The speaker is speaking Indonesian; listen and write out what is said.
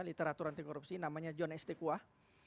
literatur anti korupsi namanya john s dekuah